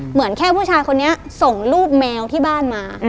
เหมือนแค่ผู้ชายคนนี้ส่งรูปแมวที่บ้านมา